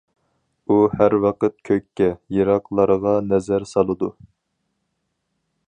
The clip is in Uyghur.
ئۇ ھەر ۋاقىت كۆككە، يىراقلارغا نەزەر سالىدۇ.